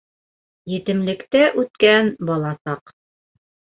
Етемлектә үткән бала саҡ.